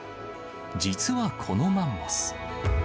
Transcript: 実はこのマンモス。